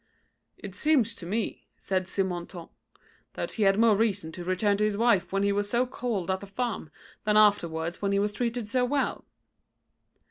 "It seems to me," said Simontault, "that he had more reason to return to his wife when he was so cold at the farm than afterwards when he was treated so well."